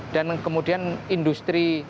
dan kemudian industri